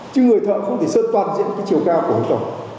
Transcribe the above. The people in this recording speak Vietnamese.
chứ người thợ không thể sơn toàn diện cái chiều cao của cây cầu